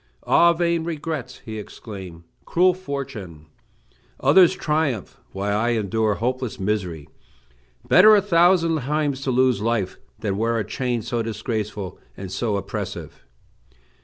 "Ah, vain regrets!" he exclaimed; "cruel fortune! others triumph, while I endure hopeless misery! Better a thousand times to lose life, than wear a chain so disgraceful and so oppressive!"